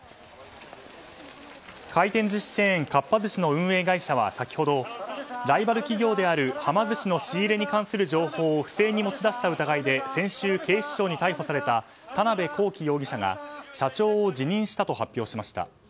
回転寿司チェーンかっぱ寿司の運営会社は先ほどライバル企業であるはま寿司の仕入れに関する情報を不正に持ち出した疑いで先週、警視庁に逮捕された田辺公己容疑者が社長を辞任したと発表しました。